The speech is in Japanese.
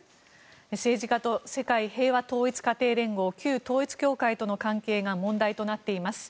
政治家と世界平和統一家庭連合旧統一教会との関係が問題となっています。